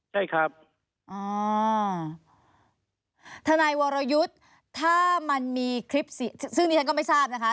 ใช่ครับอ่าทนายวรยุทธ์ถ้ามันมีคลิปซึ่งดิฉันก็ไม่ทราบนะคะ